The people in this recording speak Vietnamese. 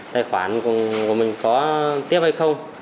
tài khoản của mình có tiếp hay không